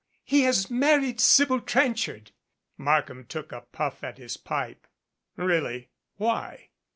"He has married Sybil Trenchard." Markham took a puff at his pipe. "Really? Why?"